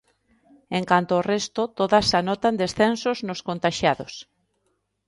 En canto ao resto, todas anotan descensos nos contaxiados.